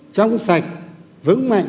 trong sạch vững mạnh